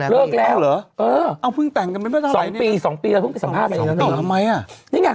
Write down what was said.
เลิกแล้วเหรอเออสองปีก็พึ่งไปสัมภาพกันแล้ว